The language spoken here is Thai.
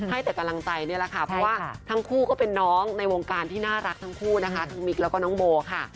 ให้แต่กำลังใจนี่แหละค่ะเพราะว่าทั้งคู่ก็เป็นน้องในวงการที่น่ารักทั้งคู่นะคะทั้งมิกแล้วก็น้องโบค่ะ